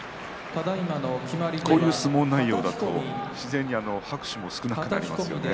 こういう相撲内容だと自然に拍手も少なくなりますね。